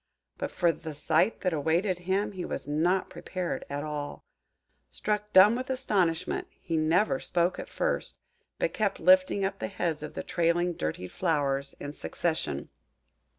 But for the sight that awaited him he was not prepared at all. Struck dumb with astonishment, he never spoke at first, but kept lifting up the heads of the trailing, dirtied flowers in succession.